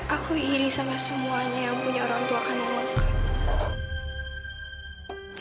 aku iri sama semuanya yang punya orang tua kamu